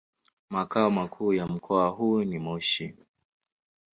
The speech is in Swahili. Makao makuu ya mkoa huu ni Moshi.